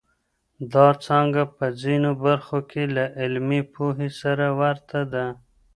دا څانګه په ځینو برخو کې له عملي پوهې سره ورته ده.